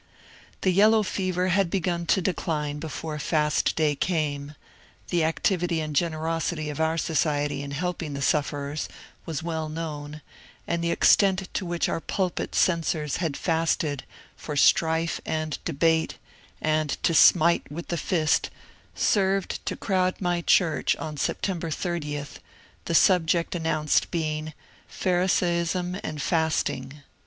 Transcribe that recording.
The yellow fever had beg^n to decline before the Fast Day came ; the activity and generosity of our society in helping the sufferers was well known ; and the extent to which our pulpit censors had fasted ^^ for strife and debate, and to smite with the fist," served to crowd my church on September 80, the subject announced being '^ Pharisaism and Fasting."